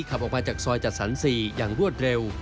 ขับออกมาจากซอยจัดสรร๔อย่างรวดเร็ว